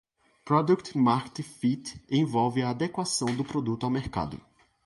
Product-Market Fit envolve a adequação do produto ao mercado.